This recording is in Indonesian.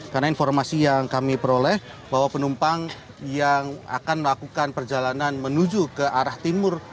karena informasi yang kami peroleh bahwa penumpang yang akan melakukan perjalanan menuju ke arah timur